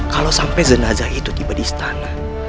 kalau sampai jenazah itu tiba di istana